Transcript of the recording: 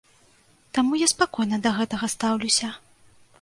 Таму я спакойна да гэтага стаўлюся.